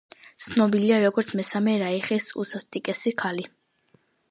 ცნობილია როგორც მესამე რაიხის უსასტიკესი ქალი.